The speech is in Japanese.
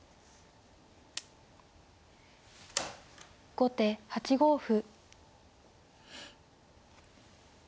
後手８五歩。